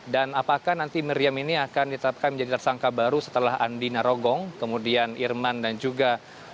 dan apakah nanti meriam ini akan ditetapkan menjadi tersangka baru setelah andi narogong kemudian irman dan juga